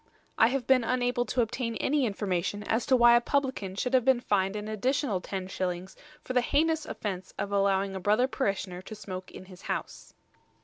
I have been unable to obtain any information as to why a publican should have been fined an additional 10s. for the heinous offence of allowing a brother parishioner to smoke in his house.